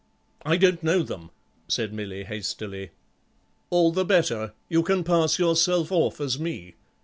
"I don't know them," said Milly hastily. "All the better; you can pass yourself off as me.